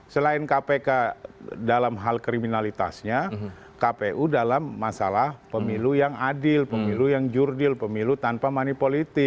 selain kpk dalam hal kriminalitasnya kpu dalam masalah pemilu yang adil pemilu yang jurdil pemilu tanpa manipolitik